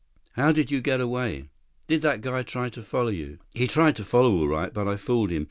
How did you get away? Did that guy try to follow you?" "He tried to follow all right. But I fooled him.